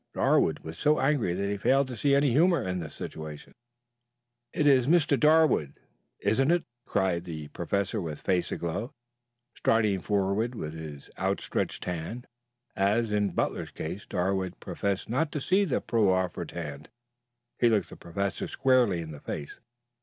Darwood was so angry that he failed to see any humor in the situation. "It is Mr. Darwood, isn't it?" cried the Professor with face aglow, striding forward with outstretched hand. As in Butler's case, Darwood professed not to see the proffered hand. He looked the Professor squarely in the face.